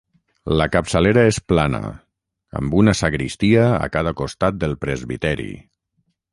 La capçalera és plana, amb una sagristia a cada costat del presbiteri.